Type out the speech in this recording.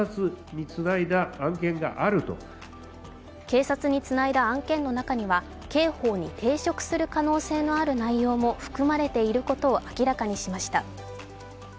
警察につないだ案件の中には警報に抵触する可能性のある内容も含まれていることを明らかにしました。